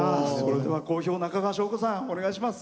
講評、中川翔子さんお願いします。